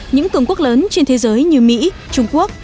những cường quốc lớn trên thế giới như mỹ trung quốc